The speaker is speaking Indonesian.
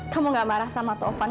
kamu gak marah sama tovan